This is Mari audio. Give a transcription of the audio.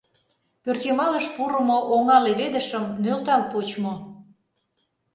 Пӧртйымалыш пурымо оҥа-леведышым нӧлтал почмо.